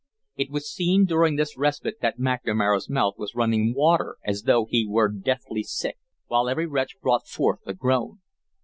It was seen during this respite that McNamara's mouth was running water as though he were deathly sick, while every retch brought forth a groan.